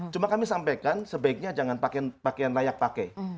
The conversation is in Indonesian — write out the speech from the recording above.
cuma kami sampaikan sebaiknya jangan pakaian layak pakai